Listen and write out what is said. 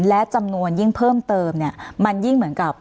และจำนวนยิ่งเพิ่มเติมเนี่ยมันยิ่งเหมือนกับ